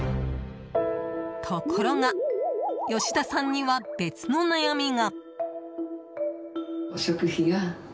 ところが、吉田さんには別の悩みが。